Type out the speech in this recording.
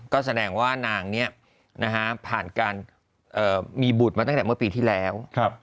ก็แสดงว่านางนี้ผ่านการมีบุตรมาตั้งแต่เมื่อปีที่แล้ว